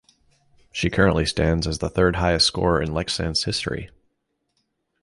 She currently stands as the third highest scorer in Leksands history.